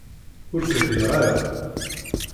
Ur k-riɣ ara!